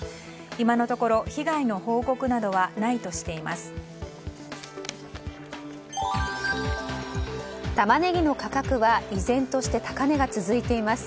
今のところ被害の報告などはないとしています。